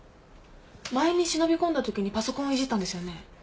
前に忍び込んだときにパソコンをいじったんですよね？